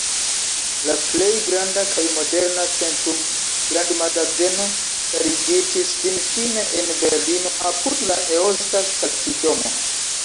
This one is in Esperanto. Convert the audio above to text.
La plej granda kaj moderna Centrum-grandmagazeno starigitis finfine en Berlino apud la Eosta stacidomo.